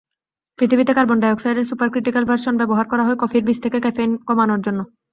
পৃথিবীতে কার্বন ডাইঅক্সাইডের supercritical version ব্যবহার করা হয় কফির বীজ থেকে ক্যাফেইন কমানোর জন্য।